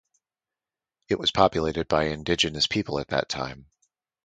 It was populated by indigenous people at that time.